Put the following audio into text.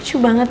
icu banget kan